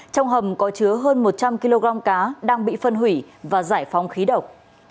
trong hầm có chứa hơn một trăm linh kg cá đang bị phân hủy và giải phóng khí độc